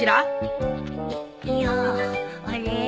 いやあれ？